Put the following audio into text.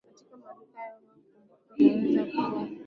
Katika maduka ya kukumbuka unaweza kununua kanga isiyo na gharama kubwa